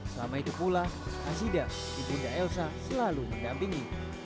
selama itu pula asida ibunda elsa selalu mendampingi